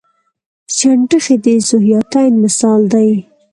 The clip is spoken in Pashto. چنډخې د ذوحیاتین مثال دی